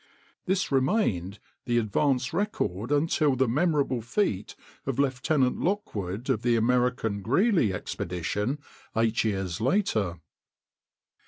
This remained the advance record until the memorable feat of Lieutenant Lockwood of the American Greely expedition eight years later.